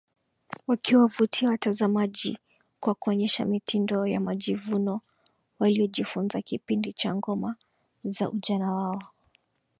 wakiwavutia watazamaji kwa kuonyesha mitindo ya majivuno waliyojifunza kipindi cha ngoma za ujana wao